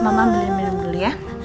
mama beli beli dulu ya